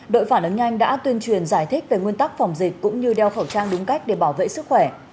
đội phản ứng nhanh đã tuyên truyền giải thích về nguyên tắc phòng dịch cũng như đeo khẩu trang đúng cách để bảo vệ sức khỏe